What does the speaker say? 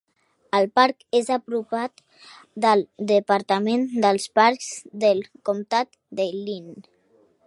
El parc és operat pel departament de parcs del comtat de Linn.